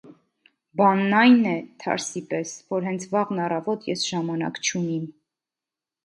- Բանն ա՛յն է, թարսի պես, որ հենց վաղն առավոտ ես ժամանակ չունիմ: